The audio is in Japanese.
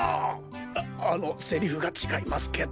ああのセリフがちがいますけど。